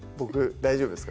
大丈夫ですか？